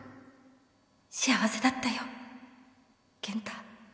幸せだったよ健太